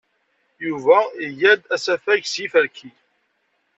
Yuba iga-d asafag s yiferki.